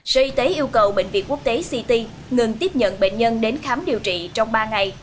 sở y tế yêu cầu bệnh viện quốc tế ct ngừng tiếp nhận bệnh nhân đến khám điều trị trong ba ngày